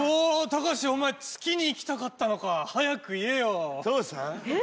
貴士お前月に行きたかったのか早く言えよ父さん？